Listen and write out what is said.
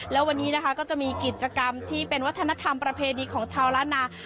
แล้ววันนี้นะคะก็จะมีกิจกรรมที่เป็นวัฒนธรรมประเพณีของชาวล้านนา